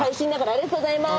ありがとうございます。